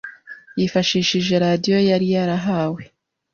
yifashishije radio yari yarahawe